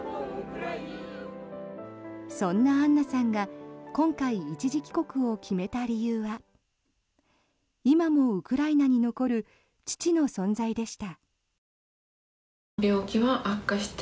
そんなアンナさんが今回、一時帰国を決めた理由は今もウクライナに残る父の存在でした。